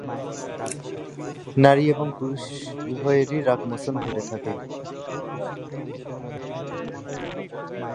নারী এবং পুরুষ উভয়েরই রাগমোচন ঘটে থাকে।